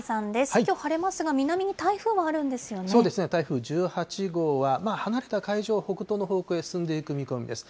きょう晴れますが、南に台風があそうですね、台風１８号は、離れた海上を北東の方向へ進んでいく見込みです。